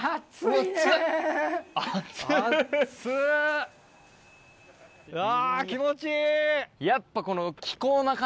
いや気持ちいい。